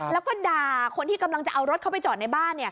แล้วก็ด่าคนที่กำลังจะเอารถเข้าไปจอดในบ้าน